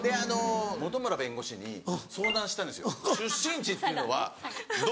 本村弁護士に相談したんですよ出身地っていうのは。